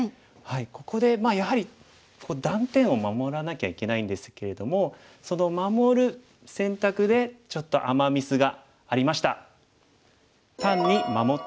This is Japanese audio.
ここでやはり断点を守らなきゃいけないんですけれどもその守る選択でちょっとアマ・ミスがありました。